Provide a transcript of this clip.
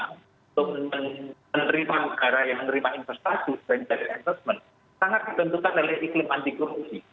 untuk menerima investasi yang sangat dibentukkan oleh iklim anti kronisi